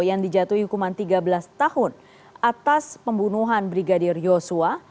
yang dijatuhi hukuman tiga belas tahun atas pembunuhan brigadir yosua